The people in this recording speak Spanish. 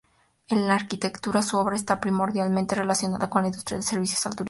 En arquitectura, su obra esta primordialmente relacionada con la industria de servicios al turismo.